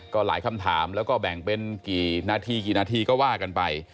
ก็หลายคำถามแล้วก็แบ่งเป็นกี่นาทีกี่นาทีก็ว่ากันไป